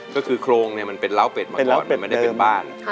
ก็คือโครงเนี่ยมันเป็นล้าวเป็ดมาก่อนไม่ได้เป็นบ้าน